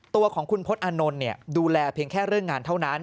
ตัวของคุณพจน์อานนท์ดูแลเพียงแค่เรื่องงานเท่านั้น